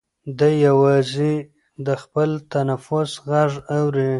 دی یوازې د خپل تنفس غږ اوري.